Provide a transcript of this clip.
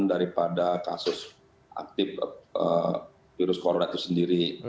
daripada kasus aktif virus corona itu sendiri